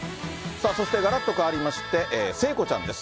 さあ、そしてがらっと変わりまして、聖子ちゃんです。